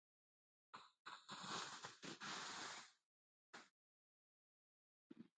Tayta lachak kuyaśhqam wankayuq pampaćhu.